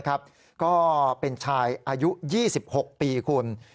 ก็เป็นชายอายุ๒๖ปีคุณ